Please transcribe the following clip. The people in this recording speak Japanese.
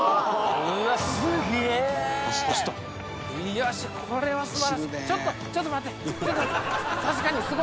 よしこれは素晴らしい。